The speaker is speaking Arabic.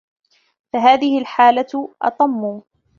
فَهَذِهِ الْحَالَةُ أَطَمُّ